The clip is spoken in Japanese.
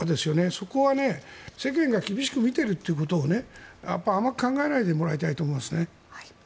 そこは世間が厳しく見ているということを甘く考えないでもらいたいと思います。